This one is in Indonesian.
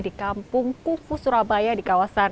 di kampung kufu surabaya di kawasan